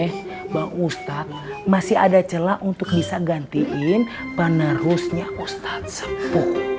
mbak ustaz masih ada celah untuk bisa gantiin penerusnya ustaz sepuk